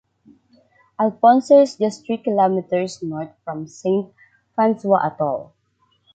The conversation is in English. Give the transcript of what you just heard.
Alphonse is just three kilometers north from St. François Atoll.